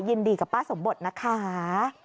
ยินดีกับป้าสมบทนะคะ